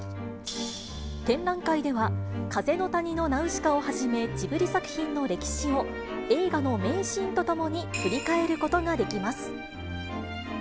展覧会では風の谷のナウシカをはじめ、ジブリ作品の歴史を映画の名シーンとともに振り返ることができます。